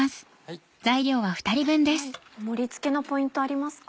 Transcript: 盛り付けのポイントありますか？